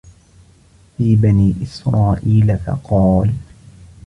فِي بَنِي إسْرَائِيلَ فَقَالَ